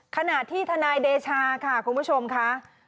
ขณะที่ทนายเดชาค่ะคุณผู้ชมค่ะ